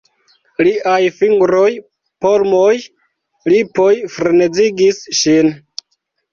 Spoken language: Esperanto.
Liaj fingroj, polmoj, lipoj frenezigis ŝin.